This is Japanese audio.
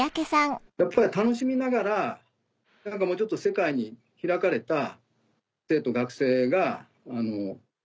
やっぱり楽しみながら何かもうちょっと世界に開かれた生徒学生が。